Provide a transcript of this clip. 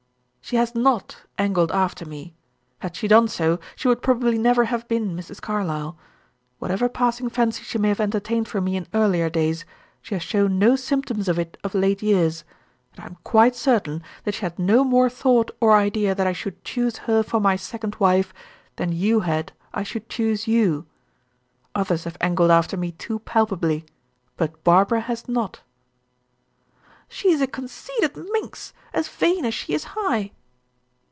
"She has not angled after me; had she done so, she would probably never have been Mrs. Carlyle. Whatever passing fancy she may have entertained for me in earlier days, she has shown no symptoms of it of late years; and I am quite certain that she had no more thought or idea that I should choose her for my second wife, than you had I should choose you. Others have angled after me too palpably, but Barbara has not." "She is a conceited minx, as vain as she is high."